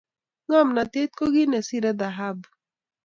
Ngamnotet ko kit ne sirei dhahabu